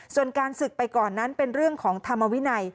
ส่วนการศึกไปก่อนนั้นเป็นเรื่องของธรรมวินัย